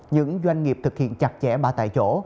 những doanh nghiệp thực hiện chặt chẽ ba tại chỗ